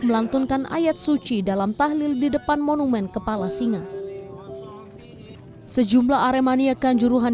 melantunkan ayat suci dalam tahlil di depan monumen kepala singa sejumlah aremania kanjuruhan